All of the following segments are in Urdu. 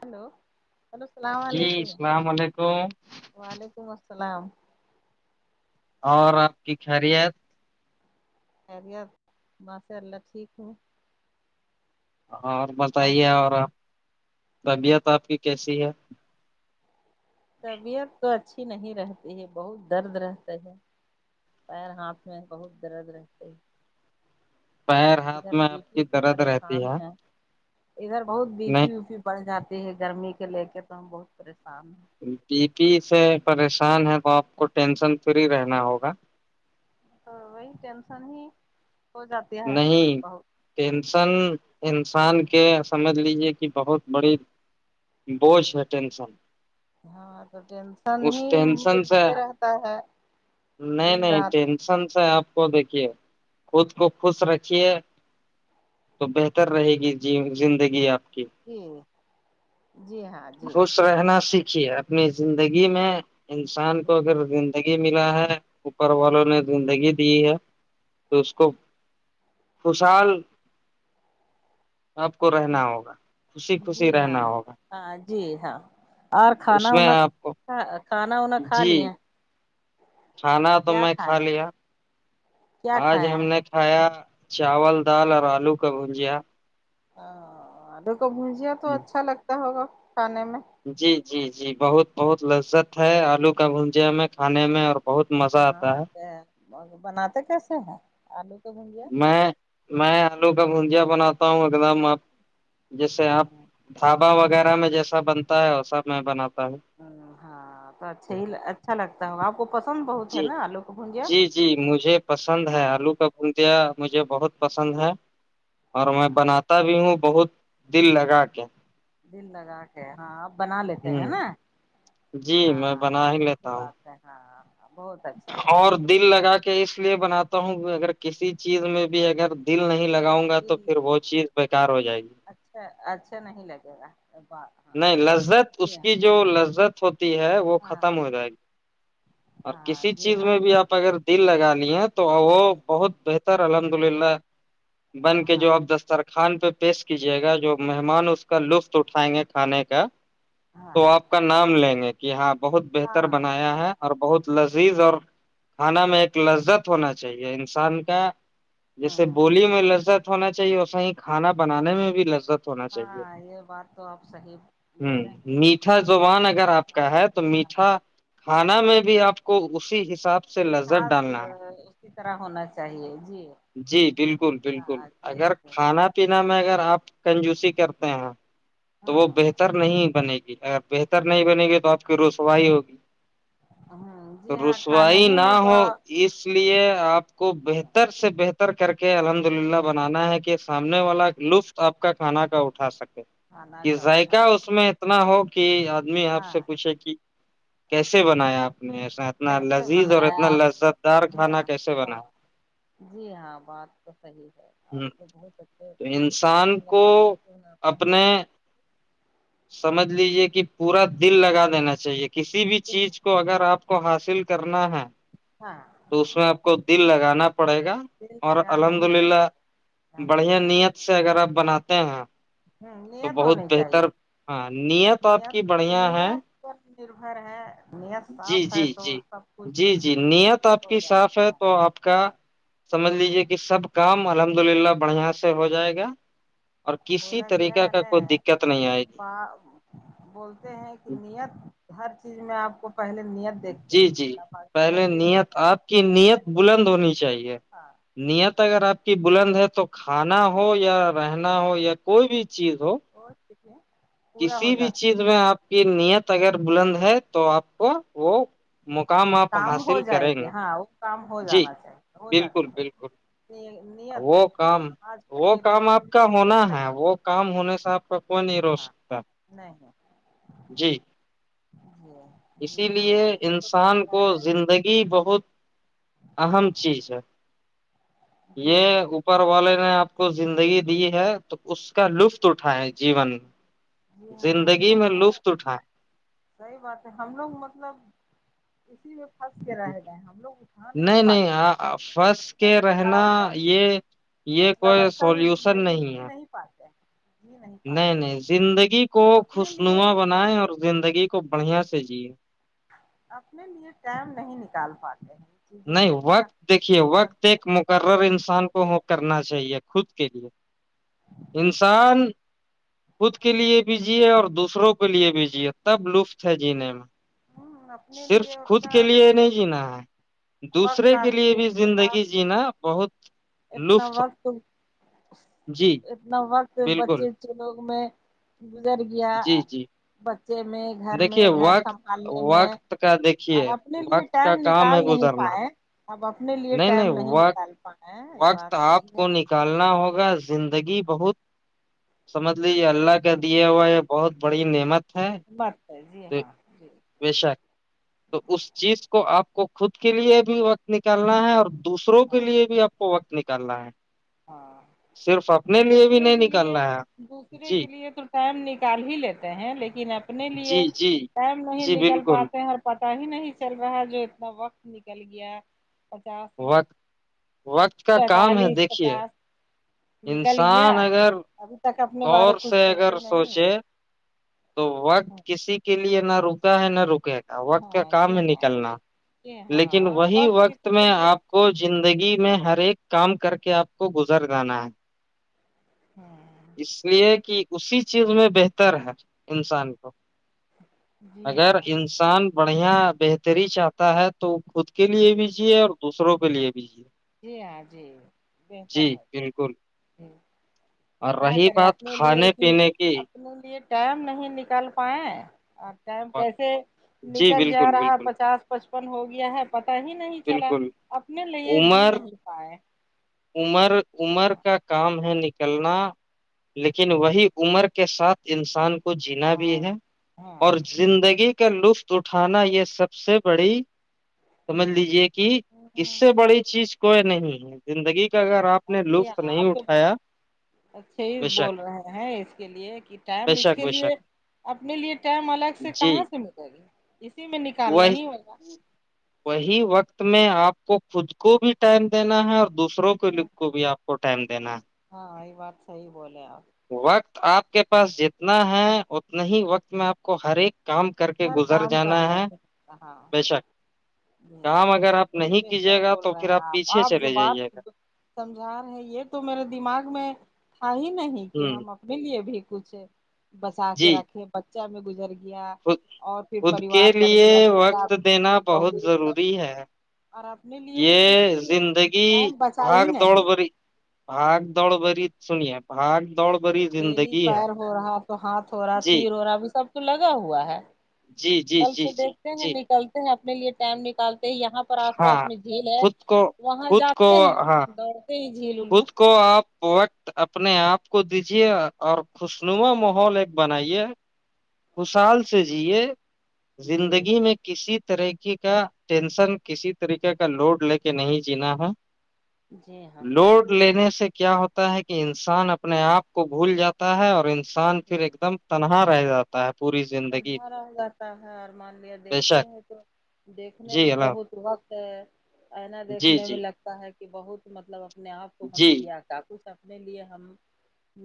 ہلو ہلو السلام جی علیکم السلام علیکم سلام اور آپ کی خیریت خری ار ماس اللہ ٹھیک ہوں ہاں اور اب بتائیے اور طبیعت آپ کی کیسی ہے تبھی ہے کو اچھی نہیں رہتی ہے بہت درد رہتا ہے پیر ہاتھ میں بہت درد رہتے ہے پیر ہاتھ ادھر میں بی آپ پی کی سے درد رہتی پریشان ہے ہیں ادھر بہت بی پی و نہیں پی بڑ جاتی گرمی کے لے کے تو ہم بہت پریشان ہیں بی پی سے پریشان ہے تو آپ کو ٹینشن فری رہنا ہوگا تو وہی ٹینشن ہی ہو جاتی ہے نہیں بہت ٹینشن انسان کے سمجھ لیجے کہ بہت بڑی بوجھ ہے ٹینشن ہاں تو ٹینشن اس ہی ٹینشن سے ملتے رہتا ہے نہیں دن نہیں رات ٹینشن سے آپ کو دیکھیے کود کو خوش رکھیے تو بہتر رہے گی جی زندگی آپ ہی بش رہنا سیکھ د اپنی زندگی میں انسان کو جی اگر گی ملا ہے اوپر والوں نے زندگی دی ہے تو اس کو خوشحال آپ کو رہنا جی ہوگا خوشی جی خوشی رہنا ہاں ہوگا ہاں جی ہاں اور کھانا اس میں وانا آپ کو کھانا وانا کھا جی لیے کھانا تو کیا میں کھا کھائیں لیا کیا آج کھائیں ہم نے کھایا چاول دال اور آلو کا بجیا ہ اد کبویا تو اچھا لگتا ہوگا کھانے میں جی جی جی بہت بہت لذت ہے آلو کا بجیا میں کھانے میں اور بہت مزہ ہاں آتا ہے اوکے بناتے کیسے ہیں آلو کے بھجیا میں میں آلو کا بجیا بنات بتا ہوں ایک دم آپ جیسے آپ ہاں ڈھابا وغیرہ میں جیسا بنتا ہے وسا میں بناتا ہوں ہمم ہاں تو اچھا ہی اچھا لگتا ہے آپ کو پسند بہت ہے جی نا آلوک بجیا جی جی مجھے پسند ہے ہاں آلو کا مجھے بہت پسند ہے اور میں ہاں بناتا بھی ہوں بہت دل لگا کے دل لگا کے ہاں آپ بنا لیتے ہ ہے نا جی میں ہاں بنا ہی لیتا اچھی ہوں [inaudible] اچھا اور دل لگا کے اس لیے بناتا ہوں اگر کسی چیز میں بھی اگر دل نہیں لگاؤں گا تو دل پھر وہ چیز بےیکار ہو جائے گی اچھا اچھا [inaudible] ہاں نہیں لذت اس جی کی ہاں جو لذت ہوتی ہے وہ ختم ہاں ہو جائے گی اور ہاں کسی جی چیز ہاں میں بھی جی آپ اگر دل لگا لی ہیں تو وہ جی بہت بہتر الحمد للہ بن کے جو ہاں اب دسترخان پہ پیش کیجیے گا جو مہمان اس کا لطف اٹھائیں گے کھانے کا ہاں تو آپ کا نام لیں گے کہ ہاں بہت بہتر ہاں بنایا ہے اور بہت لذیذ اور کھانا میں ایک لذت ہونا چاہیے انسان کا جیسے ہوں بولی میں لذت ہونا چاہیے اور صی کھانا بنانے میں بھی لذت ہاں یہ بات تو آپ صحیح ہمم بولیں میٹھا زبان اگر آپ لذت کا ہے تو میٹھا ہاں کھانا میں بھی آپ کو اسی اب سے لذت مٹھاس ڈالنا ہے اس کی طرح ہونا چاہیے جی جی بالکل بالکل ہاں جی اگر جی کھانا پینا میں اگر آپ کنجوسی کرتے ہیں تو وہ ہوں بہتر نہیں بنے گی اگر بہتر نہیں بنےیں گے تو آپ کی روسوائی ہوگی ہوں تو جی ہاں کھانے رسوائی ہی نہ میں تو ہو اس یہ آپ کو بہتر سے بہتر ر کر کے الحمد للہ بنانا ہے کہ کے سامنے والا لطف آپ کا کھانا کا اٹھا سکے کھانا کا ذائقہ اٹھا اس میں اتنا ہو کہ [inaudible] آدمی آپ ہاں سے پوچھے کہ کیسے بنایا آپ نے ایسا اتنا کیسے لذیذ اور بنایا اتنا آپ لذت دار ہاں کھانا کیسے ہاں بنایا جی ہاں بات تو صحیح ہے آپ کو بہت اچھے تو انسان مطلب کو بناتے بناتے ہیں اپنے [inaudible] سمجھ لیجے کہ پورا دل لگا دینا چاہیے کسی بھی دل چیز کو اگر آپ کو حاصل کر کرنا ہے ہاں تو اس میں آپ کو دل لگانا پڑے گا دل اور لگانا الحمد ہی پڑے للہ گا الحمد بڑھیا للہ نیت سے اگر آپ بناتے [inaudible] ہوں تو نیت بہت ہونی چاہیے بہتر ہاں نیت آپ کی نیت بڑھیا ہے نیت پر نربھر ہے نیت جی صاف ہے جی تو جی سب کچھ جی جی نییت آپ ہو کی صاف ہے جاتا تو آپ کا ہاں سمجھ لیجیے کہ کہ سب کام الحمد للہ بڑھیا سے ہو جائے گا اور کسی بولا گیا طریقہ ہے کا نا کوئی دقت نہیں آئے گی بولتے ہیں کہ نییت ہر چیز میں آپ کو پہلے نیت دیکھتے ہیں جی جی اللہ پاک پہلے نیت دیکھتے نییت ہیں آپ کی نیت کریے بلند ہونی چاہیے ہاں نیت اگر آپ کی بلند ہے تو کھانا ہو یا رہنا ہو یا کوئی بھی چیز ہو وہ پورا ہو کسی بھی جاتا چیز میں آپ کی نیت اگر بلند ہے تو آپ کو وہ مقام آپ کام حاصل ہو جائے کریں گی گے ہاں وہ کام ہو جی جانا چاہیے ہو بالکل جاتی بالکل ہے نیت وہ کام نماز وہ پڑھیے تو اس کام میں آپ بھی کا تو نیت ہونا ہے کرنا وہ پڑتا کام ہے ہونے سے آپ کا کوئی نہیں رو ہاں سکتا نہیں جی [inaudible] اسی جی لیے ہاں ان یہ تو انسان کو بہتر ہے زندگی بہت اہم چیز ہے یہ جی ہاں اوپر والے نے آپ کو زندگی دی ہے تو اس کا لطف اٹھائےیں جیون جی میں ہاں ہم زندگی لوگ میں لطف اٹھائیں صحیح بات ہم لوگ مطلب اسی میں پنس کے رہ گئے ہیں ہم لوگ اٹھا نہیں پاتے ہاں پھنس کے رہنا ہیںگ بت یہ یہ مطلب کوئی اچھا سے سولوشن زندگی جی ہے نہیں پاتے ہیں جی نہیں پاتے زندگی کو اپنے لیے خوشنما بنائیں اور زندگی کو کو بڑھیا سے جی اپنے لیے ٹائم نہیں نکال پاتے ہیں نہیں چیزیں اتنا وقت دیکھیے وقت آدمی ایک کے پاس مقرر کسی انسان کے کو ہو لیے کرنا چاہیے خود کے لیے انسان خود کے لیئے بھیجئے اور دوسروں کے لیئے بھی جیئے تب لطف ہے جینے میں ہوں اپنے صرف لیے خود کے اتنا لیے نہیں جینا ہے وقت دوسرے کے لیے آدمی بھی کے پاس زندگی جینا بہت اتنا لطف وقت جی اتنا وقت بالکل بچے چ لوگ میں گزر گیا جی جی بچے میں گھر میں دیکھیے گھر وقت سنبھالنے میں وقت کا اور دیکھیے اپنے لیے وقت ٹائم کا کام نکال ہے نہیں گزرنا پائے اب اپنے لیے ٹائم نہیں نکال پائے یہ بات وقت آپ صحیح ہے کو نکالنا ہوگا زندگی بہت سمجھ اللہ کا دیا ہوا ہے بہت بڑھیا نعمت ہے بات ہے جی ہاں جی بے شک تو اس چیز کو آپ کو خود کے لیے بھی وقت نکالنا ہے اور دوسروں کے ہاں لیے بھی آپ کو وقت نکل کر رہ ہے ہاں صرف اپنے لیے بھی دوسرے نہیں کے لیے نکالنا ہے دوسرے جی کے لیے تو ٹائم نہیں کال ہی لیتے ہیں لیکن لن اپنے لیے جی جی ٹائم نہیں جی نکل بالکل پاتے اور پتاہ ہی نہیں چل رہا جو اتنا وقت نکل گیا پچاس وقت وقت کا کام ہے پینتالیس دیکھیے پچاس نکل گیا انسان اگر ابھی تک اپنے بارے غور کچھ سے اگر سوچے نہیں سوچے تو وقت کسی کے لیے نہ رکا ہے نہ رکے وقت کا ہاں کام جی میں ہاں نکلنا جی جی لیکن ہاں وہی وقت کسی کے میں لیے آپ کو زندگی میں ہر ایک کام کر کے آپ کو گزر جانا ہے ہاں اس لیے کہ اسی اس چیز میں بہتر ہے انسان کو جی اگر ہاں انسان بڑھیا بہتری چاہتا ہے تو خود کے لیے بھی جی چیے اور دوسروں بلیے بھیی ہے جی ہاں جی بہتر ہے بالکل ج [inaudible] اور رہی بات کھانے پینے کی یہ ٹائم نہیں نکال پائائے اور ٹائم کیسے جی نکل جا بالکل رہا ہے بالکل پچاس پچپن ہو گیا ہے پتا ہی نہیں چلا بالکل اپنے لیےے ج [unintelligible] جی عمر نہیں پائے عمر عمر ہاں کا کام ہے نکلنا لیکن وہی عمر کے ساتھ انسان کے کو جینا بھی ہے ہاں اور زندگی کا لطف اٹھانا یہ سب سے بڑی سمجھ لی یہ [unintelligible] کہ اس سے ہاں بڑی چیز کوئی نہیں زندگی کا اگر آپ نے ی لطف آپ نہیں تو بہت اٹھایا اچھے ہی بے شک بول رہے ہیں اس کے لیے کہ ٹائم بے اس شک کے بے لیے شک اپنے لیے ٹائم الگ سے جی کہاں سے ملے گی [unintelligible] اسی میں نکال وہی نہیں ہوگا [unintelligible] وہی وقت میں آپ کو خود کو بھی ٹائم دینا ہے اور دوسروں کے لکھ کو بھی آپ [unintelligible] کو ٹائم دینا ہاں یہ بات صحی بولے آپ [unintelligible] وقت آپ کے پاس جتنا ہے اتنا ہی وقت میں آپ کو ہر ایک کام کر کے ہر گزر کام جانا کرنا ہے رہاں بے شک جسا کام اگر آپ بہت نہیں بہتر کیجیے گا بول تو رہے پھر ہیں آپ پیچھے آپ جو چلے بات جائیے گا سمجھا رہے ہیں یہ تو میرے دماغ میں [inaudible] ہ ہی نہیں کہ ہوں ہم اپنے لیے بھی [unintelligible] پچھے [unintelligible] بچا کے رکھے با میں گزر گیا [unintelligible] خد اور پھر خود کے پریوار بڑھ لیے گیا بیٹا وقت دینا بیٹی بہو بہت سب ضروری ہے اور اپنے لیے تو یہ کچھ زندگی ٹائم بچا بھاگ ہی دوڑ نہیں بھری بھاگ دوڑ بھری سنیے پہاڑ پیلی پیر ہو رہا تو ہاتھ ہو رہا جی سیر ہو رہا ابھی سب [inaudible] تو لگا ہوا ہے جی جی کل جی سے جی دیکھتے ہیں جی نکلتے ہیں لیے ٹائم نکال یہاں پر آس ہاں پاس میں جھیل ہے خود کو وہاں خود کو جاتے ہیں ہاں دوڑتے ہی جھیل ان میں خود کو آپ وقت اپنے آپ آپ کو دیجیے اور خوشنما ماحول ایک بنائیے خوشال سے جیے جی زندگی میں کسی طریقے کا ٹینشن کسی طریقے کا لوڈ لے کے نہیں جینا ہے جی ہاں لوڈ لینے سے کیا ہوتا ہے کہ انسان اپنے ہ آپ کو بھول جاتا ہے اورنج انسان پھر ایک دم تنہا رہ جاتا ہے پوری زندگی تنہا رہ جاتا ہے اور مان لیا بے دیکھتے شک ہیں تو دیکھنے جی میں اللہ بہت وقت ہے اینا جی دیکھنے میں جی لگتا ہے کہ بہت مطلب اپنے آپ کو ہم جی کیا تھا کچھ اپ اپنے لیے ہم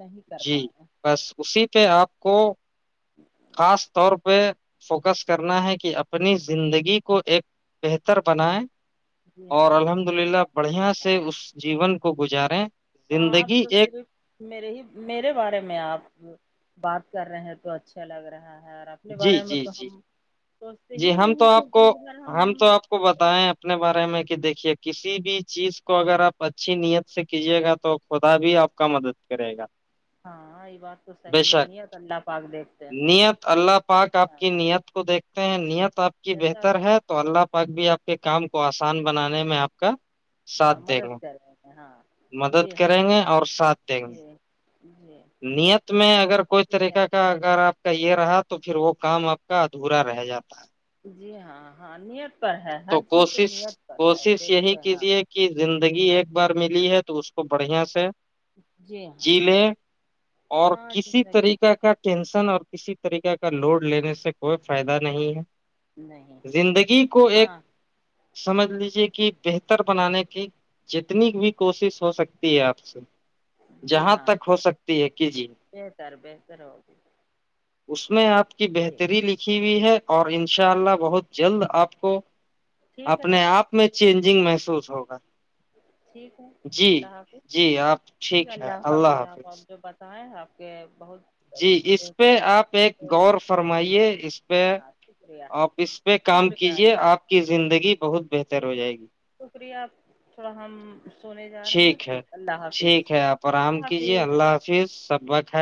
نہیں کر جی پائے بس اسی پہ آپ کو خاص طور پہ فوکس کرنا ہے کہ اپنی زندگی کو ایک بہتر بنائے جی اور ہاں الحمد للہ بڑھیا سے ہاں اس جیون کو گزارے ہاں تو صرف میرے ہی میرے بارے میں آپ بات کر رہے ہیں تو اچھا لگ رہا ہے اپنے جی بارے میں جی تو جی ہم سوچتے جی ہی ہم تو نہیں کہ آپ کو دن بھر ہم تو آپ کو بتائیں اپنے بارے میں کہ دیکھیے کسی بھی چیز کو اگر آپ اچھی نیت سے کیجیے گا تو خدا بھی آپ کا مدد کرے گا ہاں یہ بات تو بے صحیح شک نہیں ہے لہا پاک دیکھتے نیت اللہ پاک آپ کی نیت کو دیکھتے ہیں نیت آپ کی ایسا بہتر ہے تو اللہ پاک بھی آپ آپ کے کام کو آسان بنانے میں آپ کا ساتھ ہاں دیں گے مدد کر رہے ہیں ہاں مدد جی ہاں کریں گے اور ساتھ دیں گے جی جی نیت میں اگر کوئی ٹھیک ہے طریقہ کا اگر آپ کا یہ رہا تو پھر وہ کام آپ کا ادھورا رہ جاتا ہے جی ہاں ہاں نییت پر ہے ہر تو چیز کو کوشش نیت پر ہے کوشش یہی دیکھتے ہیں کیجیے کہ زندگی ایک بار ملی ہے تو اس کو بڑھیا سے جی میں اور ہاں جس کسی میں کہ طریقہ کا ٹینشن اور کسی طریق کا لوڈ لینے سے کوئی فائدہ نہیں نہیں ہے زندگی کو ایک ہاں سمجھ لیجے کہ بہتر بنانے کی جتنی بھی کوشش ہو سکتی ہے آپ سے جی جہاں ہاں تک ہو سکتا بہتر بہتر ہوگی اس میں آپ کی ٹھیک بہتری لکھی ہوئی ہے اور انشاء اللہ بہت جلد آپ کو ٹھیک ہے تب اپنے آپ میں چینج جنگ محسوس ہوگا ٹھیک ہے جی اللہ حافظ ٹھیک ہے اللہ حافظ آپ آپ جو ب آپ کے بہت جی اس بہتر پہ آپ ایک بولے غور فرمائیے اس پہ ہاں شکریہ آپ اس پہ کام شکریہ کیجیے اللہ آپ کی زندگی بہت بہتر ہو جائے گی شکریہ تھوڑا ہم سونے جا رہے ہیں ٹھیک ہے اللہ حافظ ٹھیک ہے آپ آرام اللہ کیجیے حافظ اللہ حافظ سب ب